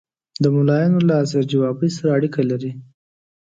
د ملایانو له حاضر جوابي سره اړیکې لري.